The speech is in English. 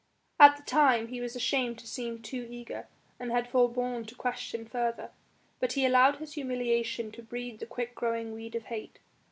At the time he was ashamed to seem too eager and had forborne to question further. But he allowed his humiliation to breed the quick growing weed of hate.